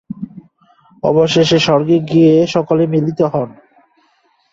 অবশেষে স্বর্গে গিয়ে সকলে মিলিত হন।